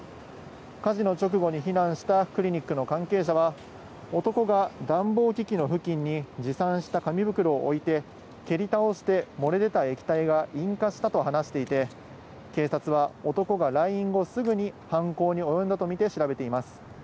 火事の直後に避難したクリニックの関係者は、男が暖房機器の付近に持参した紙袋を置いて、蹴り倒して、漏れ出た液体が引火したと話していて、警察は、男が来院後、すぐに犯行に及んだと見て調べています。